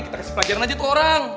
kita kasih pelajaran aja tuh orang